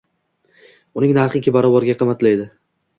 Uning narxi ikki barobar qimmatlaydi